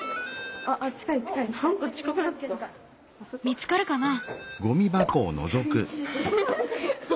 見つかるかな？